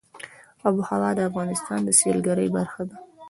آب وهوا د افغانستان د سیلګرۍ برخه ده.